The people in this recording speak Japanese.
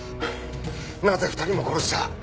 なぜ２人も殺した？